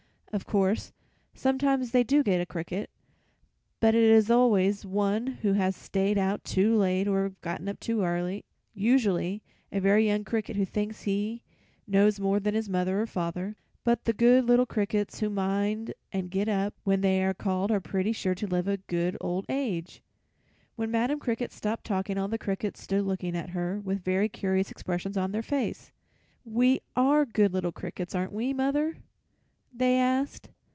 "Of course, sometimes they do get a cricket, but it is always one who has stayed out too late or gotten up too early, usually a very young cricket who thinks he knows more than his mother or father. "But the good little crickets who mind and get up when they are called are pretty sure to live to a good old age." When Madam Cricket stopped talking all the little crickets stood looking at her with very curious expressions on their faces. "We are good little crickets, aren't we, mother?" they asked.